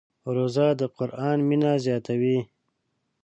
روژه د قرآن مینه زیاتوي.